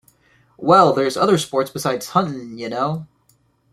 Well, there's other sports besides huntin', ya know!